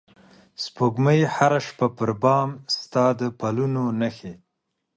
سپوږمۍ هره شپه پر بام ستا د پلونو نښې